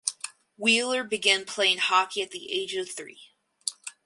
Wheeler began playing hockey at the age of three.